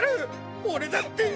俺だって。